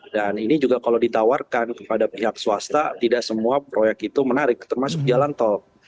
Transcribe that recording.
dan ini juga kalau ditawarkan kepada pihak swasta tidak semua proyek itu menarik termasuk jalan tol